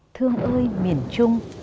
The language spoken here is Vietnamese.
thương ơi miền trung